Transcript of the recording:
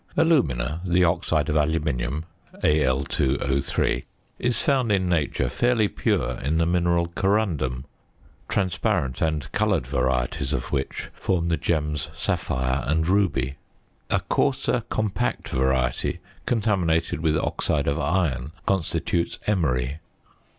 Alumina, the oxide of aluminium (Al_O_), is found in nature fairly pure in the mineral corundum; transparent and coloured varieties of which form the gems sapphire and ruby. A coarser compact variety contaminated with oxide of iron constitutes emery.